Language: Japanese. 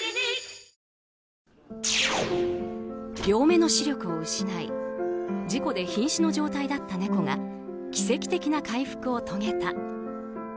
両目の視力を失い事故で瀕死の状態だった猫が奇跡的な回復を遂げた。